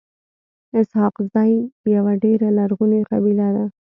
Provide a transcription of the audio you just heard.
اسحق زی يوه ډيره لرغوني قبیله ده.